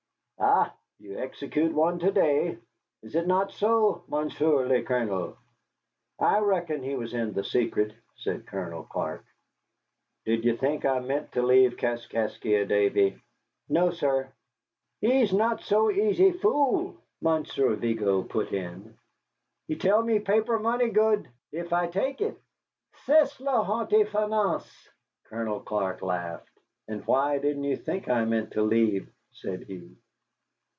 "Ha! You execute one to day. Is it not so, Monsieur le Colonel?" "I reckon he was in the secret," said Colonel Clark. "Did you think I meant to leave Kaskaskia, Davy?" "No, sir." "He is not so easy fool," Monsieur Vigo put in. "He tell me paper money good if I take it. C'est la haute finance!" Colonel Clark laughed. "And why didn't you think I meant to leave?" said he.